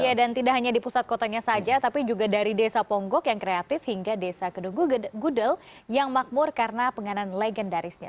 ya dan tidak hanya di pusat kotanya saja tapi juga dari desa ponggok yang kreatif hingga desa kedugudel yang makmur karena penganan legendarisnya